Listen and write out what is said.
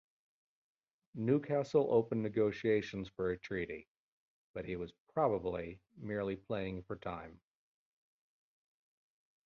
Newcastle opened negotiations for a treaty, but he was probably merely playing for time.